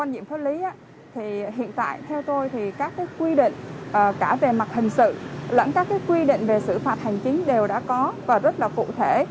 đều đã có và rất là cụ thể